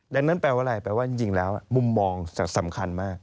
ดังนั้นแปลว่าอะไรแปลว่าจริงแล้วมุมมองจะสำคัญมาก